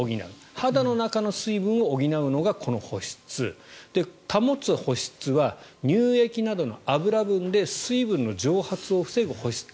肌の中の水分を補うのがこの補湿保つ保湿は乳液などの油分で水分の蒸発を防ぐ保湿。